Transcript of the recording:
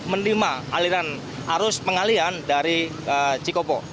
menerima aliran arus pengalian dari cikopo